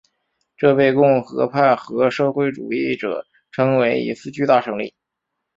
这被共和派和社会主义者称为一次巨大胜利。